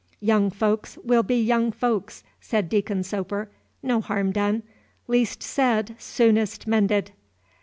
"Young folks will be young folks," said Deacon Soper. "No harm done. Least said soonest mended."